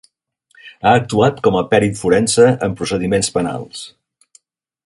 Ha actuat com a pèrit forense en procediments penals.